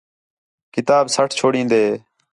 کتاب سَٹ چُھڑین٘دے